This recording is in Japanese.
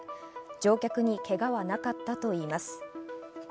乗客にけがはなかったといいます。